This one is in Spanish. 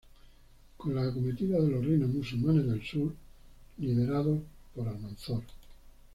Con las acometidas de los reinos musulmanes del sur, lideradas por Almanzor.